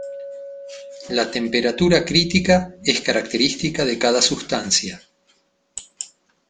La temperatura crítica es característica de cada sustancia.